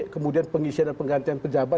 kemudian pengisian dan penggantian pejabat